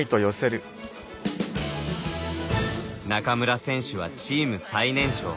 中村選手はチーム最年少。